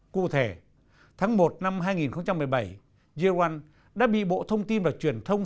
cụ thể tháng một năm hai nghìn một mươi bảy jetone đã bị bộ thông tin và truyền thông